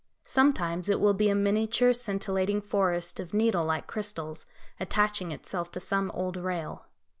Sometimes it will be a miniature, scintillating forest of needle like crystals attaching itself to some old rail.